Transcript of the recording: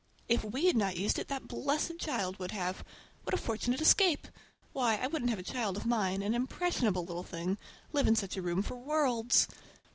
If we had not used it that blessed child would have! What a fortunate escape! Why, I wouldn't have a child of mine, an impressionable little thing, live in such a room for worlds.